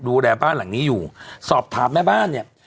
ดูแลบ้านหลังนี้อยู่สอบถามแม่บ้านเนี่ย